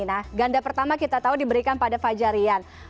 nah ganda pertama kita tahu diberikan pada fajarian